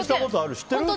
知ってる？